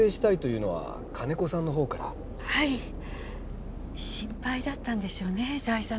心配だったんでしょうね財産の事が。